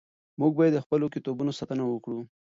موږ باید د خپلو کتابونو ساتنه وکړو.